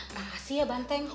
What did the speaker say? makasih ya banteng